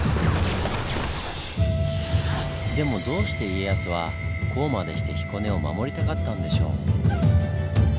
でもどうして家康はこうまでして彦根を守りたかったんでしょう？